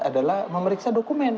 adalah memeriksa dokumen